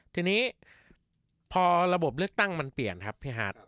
ทีนี้พอระบบเลือกตั้งมันเปลี่ยนครับพี่ฮาร์ด